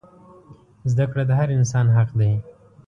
زده کړه د هر انسان حق دی.